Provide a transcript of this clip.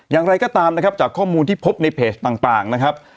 อย่างไรก็ตามนะครับจากข้อมูลที่พบในเพจต่างนะครับ